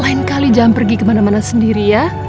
lain kali jangan pergi kemana mana sendiri ya